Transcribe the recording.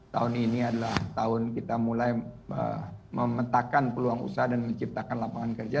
tahun ini adalah tahun kita mulai memetakan peluang usaha dan menciptakan lapangan kerja